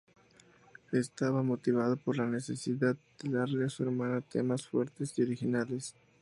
Estaba motivado por la necesidad de darle a su hermana temas fuertes y originales.